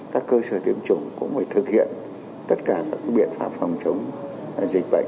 các cơ sở tiêm chủng cũng phải thực hiện tất cả các biện pháp phòng chống dịch bệnh